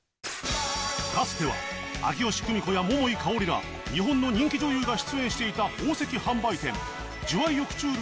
かつては秋吉久美子や桃井かおりら日本の人気女優が出演していた宝石販売店じゅわいよ・くちゅーる